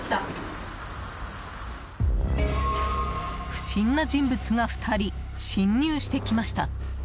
不審な人物が２人侵入してきました。